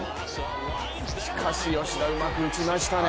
しかし吉田、うまく打ちましたね。